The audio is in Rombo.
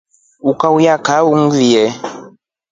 Ukaulya kaa ungie.